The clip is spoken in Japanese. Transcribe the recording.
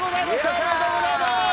おめでとうございます！